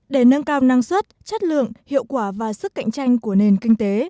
để nâng cao năng suất chất lượng hiệu quả và sức cạnh tranh của nền kinh tế